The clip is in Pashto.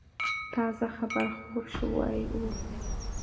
تازه خبر خپور شوی و.